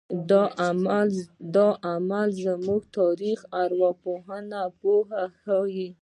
دا عمل زموږ د تاریخ او ارواپوهنې پوهه ښیي.